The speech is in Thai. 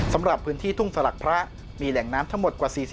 สำหรับพื้นที่ทุ่งสลักพระมีแหล่งน้ำทั้งหมดกว่า๔๐